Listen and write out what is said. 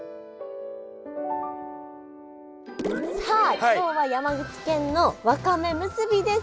さあ今日は山口県のわかめむすびです！